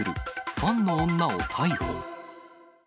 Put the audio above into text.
ファンの女を逮捕。